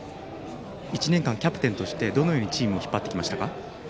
１年間キャプテンとしてどのようにチームを引っ張ってきましたか？